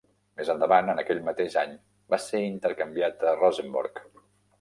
Més endavant, en aquell mateix any, va ser intercanviat a Rosenborg.